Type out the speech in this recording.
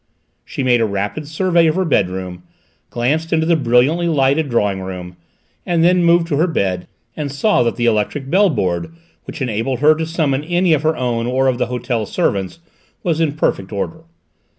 She made a rapid survey of her bedroom, glanced into the brilliantly lighted drawing room, and then moved to her bed and saw that the electric bell board, which enabled her to summon any of her own or of the hotel's servants, was in perfect order.